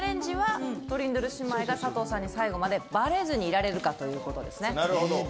しかし、本当のチャレンジはトリンドル姉妹が佐藤さんに最後までバレずにいられるかということです。